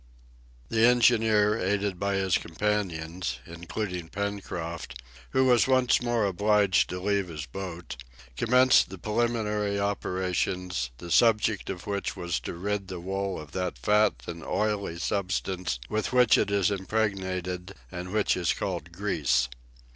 The engineer, aided by his companions, including Pencroft, who was once more obliged to leave his boat, commenced the preliminary operations, the subject of which was to rid the wool of that fat and oily substance with which it is impregnated, and which is called grease.